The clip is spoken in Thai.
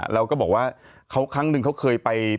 เราก็บอกว่าครั้งหนึ่งเขาเคยไป